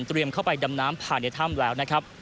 เตรียมเข้าไปดำน้ำผ่านในถ้ำแล้ว